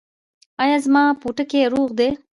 ایا زما پوټکی روغ دی؟